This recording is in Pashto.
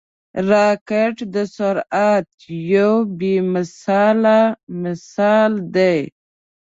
راکټ د سرعت یو بې مثاله مثال دی